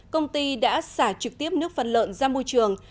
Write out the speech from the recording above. công ty đã xả trực tiếp nước phân lợn ra môi trường